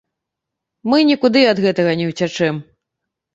Мы нікуды ад гэтага не ўцячэм.